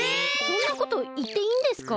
そんなこといっていいんですか？